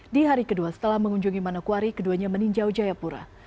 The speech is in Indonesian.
di hari kedua setelah mengunjungi manokwari keduanya meninjau jayapura